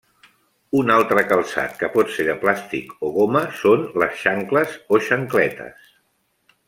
Un altre calçat que pot ser de plàstic o goma són les xancles o xancletes.